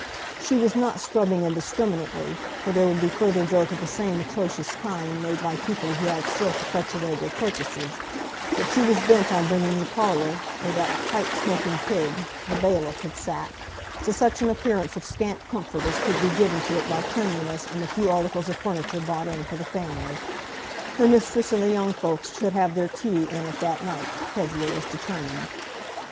She was not scrubbing indiscriminately, for there would be further dirt of the same atrocious kind made by people who had still to fetch away their purchases; but she was bent on bringing the parlour, where that "pipe smoking pig," the bailiff, had sat, to such an appearance of scant comfort as could be given to it by cleanliness and the few articles of furniture bought in for the family. Her mistress and the young folks should have their tea in it that night, Kezia was determined.